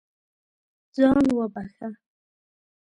ځان وبښه.